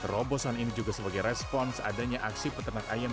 terobosan ini juga sebagai respon seadanya aksi peternak ayam